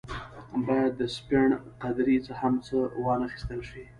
باید د سپڼ قدرې هم څه وانه اخیستل شي.